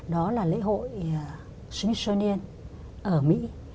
đó là lễ hội smithsonian ở mỹ